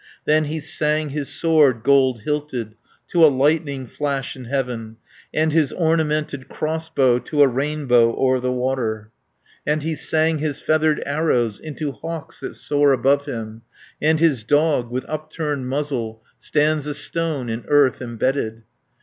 310 Then he sang his sword, gold hilted, To a lightning flash in heaven, And his ornamented crossbow, To a rainbow o'er the water, And he sang his feathered arrows, Into hawks that soar above him; And his dog, with upturned muzzle, Stands a stone in earth embedded.